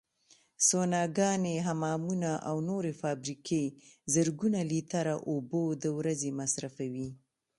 سوناګانې، حمامونه او نورې فابریکې زرګونه لیتره اوبو د ورځې مصرفوي.